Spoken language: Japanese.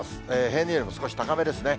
平年よりも少し高めですね。